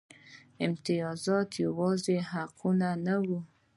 امتیازات یوازې حقونه نه وو.